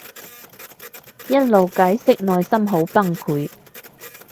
一路解釋內心好崩潰